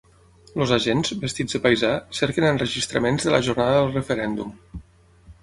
Els agents, vestits de paisà, cerquen enregistraments de la jornada del referèndum.